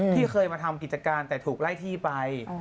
ที่เคยมาทำกิจการแต่ถูกไล่ที่ไป